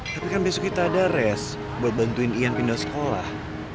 tapi kan besok kita ada res buat bantuin ian pindah sekolah